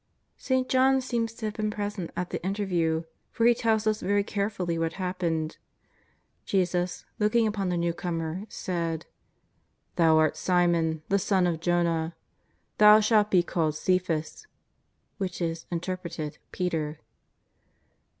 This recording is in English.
St. John seems to have been present at the inter\^ew, for he tells us very carefully what happened. Jesus, looking upon the newcomer, said: " Thou art Simon, the son of Jona, thou shalt be called Cephas " (which is, interpreted, Peter).